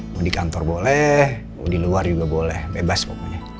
mau di kantor boleh mau di luar juga boleh bebas pokoknya